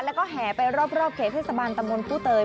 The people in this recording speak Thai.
แล้วก็แห่ไปรอบเขตเทศบาลตำบลผู้เตย